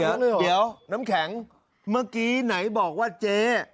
เดี๋ยวน้ำแข็งเมื่อกี้ไหนบอกว่าเจ๊